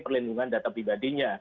perlindungan data pribadinya